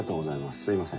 すいません。